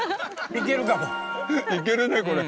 いけるねこれ。